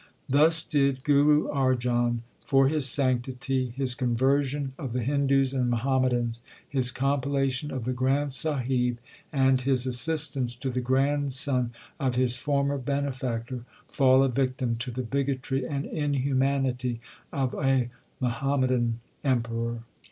Thus did Guru Arjan for his sanctity, his conver sion of the Hindus and Muhammadans, his compila tion of the Granth Sahib and his assistance to the grandson of his former benefactor, fall a victim to the bigotry and inhumanity of a Muhammadan emperor.